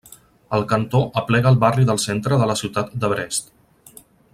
El cantó aplega el barri del centre de la ciutat de Brest.